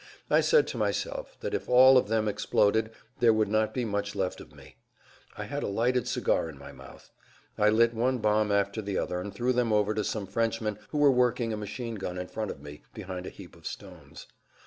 I said to myself that if all of them exploded there would not be much left of me. I had a lighted cigar in my mouth. I lit one bomb after the other and threw them over to some Frenchmen who were working a machine gun in front of me, behind a heap of stones.